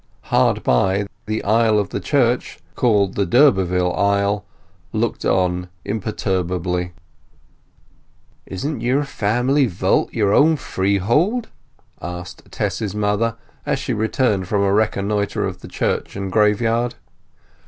Hard by, the aisle of the church called the d'Urberville Aisle looked on imperturbably. "Isn't your family vault your own freehold?" said Tess's mother, as she returned from a reconnoitre of the church and graveyard.